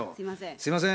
すいません。